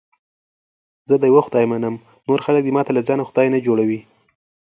زه د یوه خدای منم، نور خلک دې ماته له ځانه خدای نه جوړي.